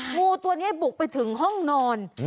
งูตัวนี้บุกไปถึงห้องนอน